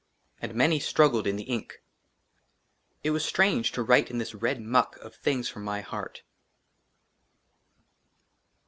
AND MANY STRUGGLED IN THE INK. IT WAS STRANGE TO WRITE IN THIS RED MUCK OF THINGS FROM MY HEART.